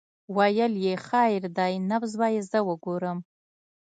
ويې ويل خير دى نبض به يې زه وګورم.